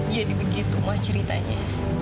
jadi begitu ma ceritanya